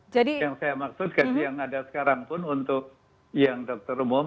yang saya maksud gaji yang ada sekarang pun untuk yang dokter umum